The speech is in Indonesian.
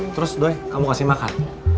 terus doy kamu kasih makan